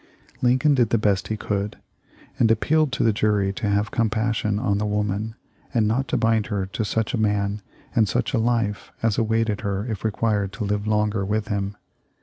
Lincoln did the best he could, and appealed to the jury to have compas sion on the woman, and not to bind her to such a man and such a life as awaited her if required to live longer with him.